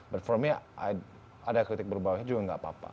but for me ada kritik berbau hate juga nggak apa apa